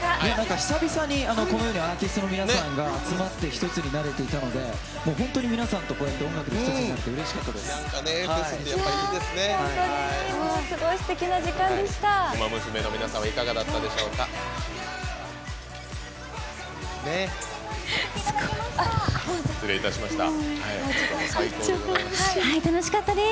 久々に、このようにアーティストの皆さんが集まって一つになれていたので本当に皆さんとこうやって音楽で一つになれてうれしかったです。